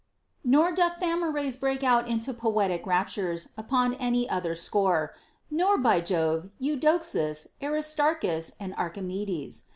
* Nor doth Thamyras break out into poetic raptures upon any other score ; nor, by Jove, Eudoxus, Aristarchus, or Archimedes.